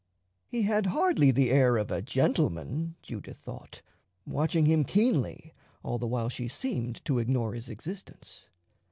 He had hardly the air of a gentleman, Judith thought, watching him keenly all the while she seemed to ignore his existence.